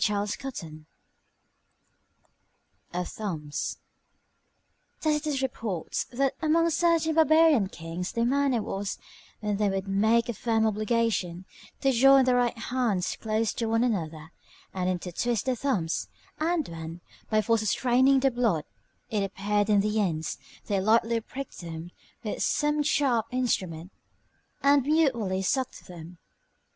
CHAPTER XXVI OF THUMBS Tacitus reports, that amongst certain barbarian kings their manner was, when they would make a firm obligation, to join their right hands close to one another, and intertwist their thumbs; and when, by force of straining the blood, it appeared in the ends, they lightly pricked them with some sharp instrument, and mutually sucked them.